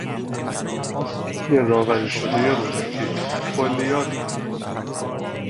آثار گردآوری شدهی رودکی، کلیات رودکی